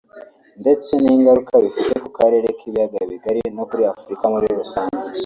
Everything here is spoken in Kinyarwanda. ndetse n’ingaruka bifite ku karere k’ibiyaga bigari no kuri Afurika muri rusange